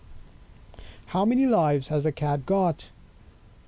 11 How many Lives has the Cat got?